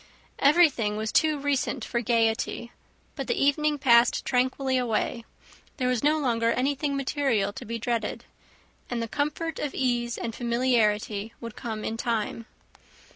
Everything was too recent for gaiety, but the evening passed tranquilly away; there was no longer anything material to be dreaded, and the comfort of ease and familiarity would come in time.